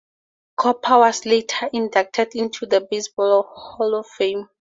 Cooper was later inducted into the Baseball Hall of Fame.